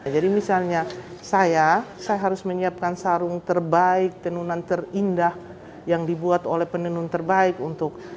jadi misalnya saya saya harus menyiapkan sarung terbaik tenunan terindah yang dibuat oleh penenun terbaik untuk